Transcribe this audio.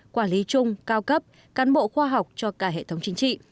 quản lý chung cao cấp cán bộ khoa học cho cả hệ thống chính trị